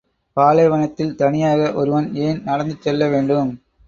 பாலைவனத்தில் தனியாக ஒருவன் ஏன் நடந்து செல்ல வேண்டும்?